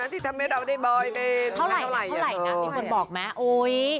เท่าไหร่นะมีคนบอกไหม